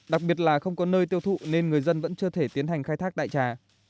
đặc biệt là không có nơi tiêu thụ nên người dân vẫn chưa thể tiến hành khai thác đại trà